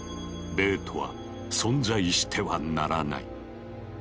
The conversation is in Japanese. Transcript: ベートは存在してはならない。